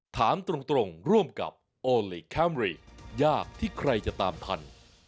ถามตรงร่วมกับโอลี่คัมรี่ยากที่ใครจะตามทัน